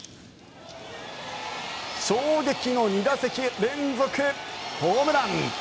衝撃の２打席連続ホームラン。